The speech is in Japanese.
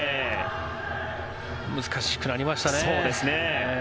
難しくなりましたね。